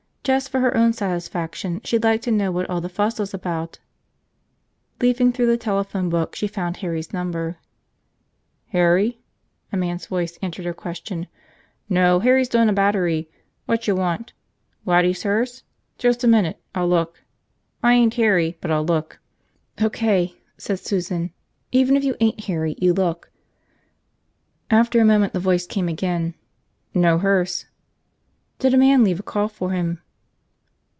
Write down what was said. Just for her own satisfaction, she'd like to know what all the fuss was about. Leafing through the telephone book, she found Harry's number. "Harry?" a man's voice answered her question. "No, Harry's doin' a battery. Whatcha want? Waddy's hearse? Just a minute, I'll look. I ain't Harry, but I'll look." "O.K.," said Susan. "Even if you ain't Harry, you look." After a moment the voice came again. "No hearse." "Did a man leave a call for him?"